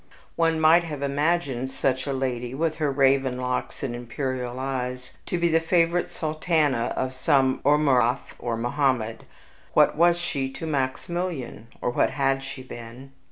One might have imagined such a lady, with her raven locks and imperial eyes, to be the favorite sultana of some Amurath or Mohammed. What was she to Maximilian, or what HAD she been?